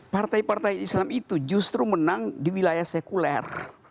partai partai islam itu justru menang di wilayah sekuler